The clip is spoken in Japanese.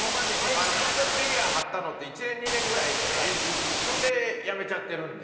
本当にレギュラー張ったのって１年２年ぐらいでそんでやめちゃってるんで。